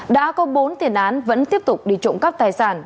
đã có bốn tiền án vẫn tiếp tục đi trộm cắp tài sản